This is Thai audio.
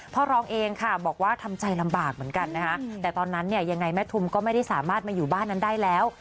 พ่อรองเองค่ะบอกว่าทำใจลำบากเหมือนกันนะคะแต่ตอนนั้นเนี่ยยังไงแม่ทุมก็ไม่ได้สามารถมาอยู่บ้านนั้นได้แล้ว